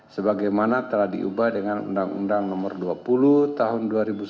sebagaimana telah diubah dengan undang undang nomor dua puluh tahun dua ribu sembilan